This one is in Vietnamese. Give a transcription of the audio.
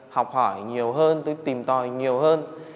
học hỏi nhiều hơn tôi tìm tòi nhiều hơn